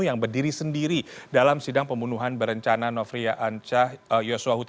yang berdiri sendiri dalam sidang pembunuhan berencana novrija anca yosua huta barat